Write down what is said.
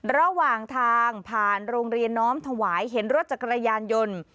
ระหว่างทางผ่านโรงเรียนน้อมถวายเห็นรถจักรยานยนต์